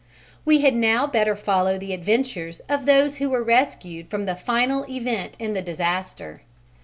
We had now better follow the adventures of those who were rescued from the final event in the disaster.